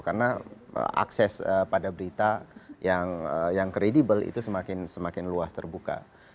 karena akses pada berita yang kredibel itu semakin luas terbuka